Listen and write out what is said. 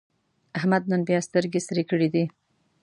احمد نن بیا سترګې سرې کړې دي.